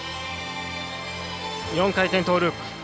４回転トーループ。